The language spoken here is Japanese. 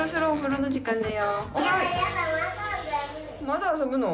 まだ遊ぶの？